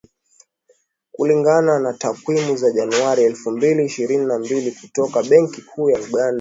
Kulingana na takwimu za Januari elfu mbili ishirini na mbili kutoka Benki Kuu ya Uganda